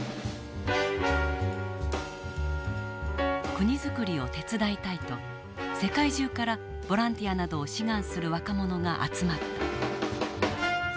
国づくりを手伝いたいと世界中からボランティアなどを志願する若者が集まった。